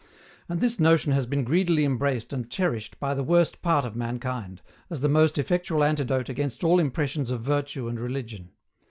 And this notion has been greedily embraced and cherished by the worst part of mankind, as the most effectual antidote against all impressions of virtue and religion.